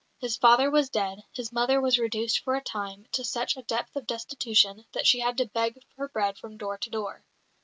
His father was dead; his mother was reduced for a time to such a depth of destitution that she had to beg her bread from door to door.